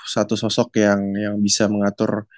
satu sosok yang bisa mengatur